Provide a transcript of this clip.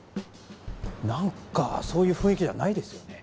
なんかそういう雰囲気じゃないですよね。